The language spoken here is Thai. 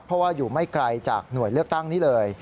เพราะว่าอยู่ไม่ไกลจากหน่วยเลือกตั้งนี้เลย